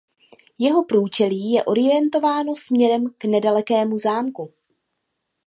Jeho průčelí je orientováno směrem k nedalekému zámku.